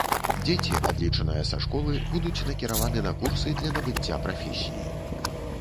Дзеці, адлічаныя са школы, будуць накіраваны на курсы для набыцця прафесіі.